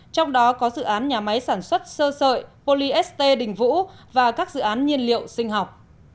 trong đó có dự án nhà máy sản xuất sơ sợi polyest đình vũ và các dự án nhiên liệu sinh học